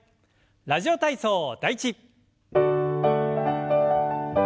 「ラジオ体操第１」。